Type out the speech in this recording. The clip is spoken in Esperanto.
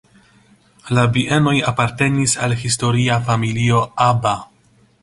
La bienoj apartenis al historia familio "Aba".